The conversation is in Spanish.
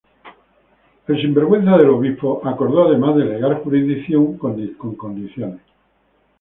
El obispo acordó además delegar jurisdicción para condicionalmente.